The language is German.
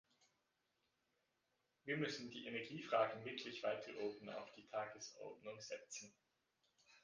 Wir müssen die Energiefragen wirklich weiter oben auf die Tagesordnung setzen.